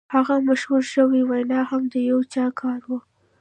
هغه مشهوره شوې وینا هم د یو چا کار و